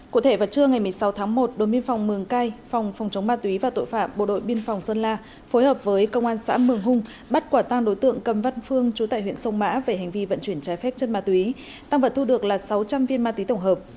cụ thể vào trưa ngày một mươi sáu tháng một đội biên phòng mường cai phòng phòng chống ma túy và tội phạm bộ đội biên phòng sơn la phối hợp với công an xã mường hung bắt quả tăng đối tượng cầm văn phương trú tại huyện sông mã về hành vi vận chuyển trái phép chân ma túy tăng vật thu được là sáu trăm linh viên ma túy tổng hợp